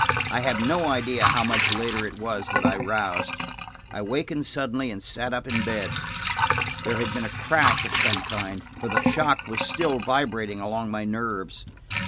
I have no idea how much later it was that I roused. I wakened suddenly and sat up in bed. There had been a crash of some kind, for the shock was still vibrating along my nerves.